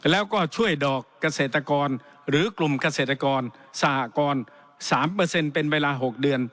แล้วก็ช่วยดอกเกษตรกรหรือกลุ่มเกษตรกรสหกร๓เป็นเวลา๖เดือน